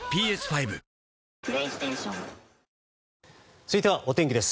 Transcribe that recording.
続いてはお天気です。